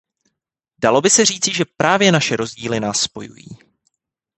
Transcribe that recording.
Dalo by se říci, že právě naše rozdíly nás spojují.